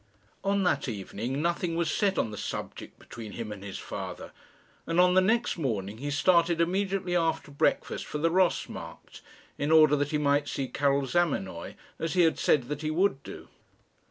On that evening nothing was said on the subject between him and his father, and on the next morning he started immediately after breakfast for the Ross Markt, in order that he might see Karil Zamenoy, as he had said that he would do.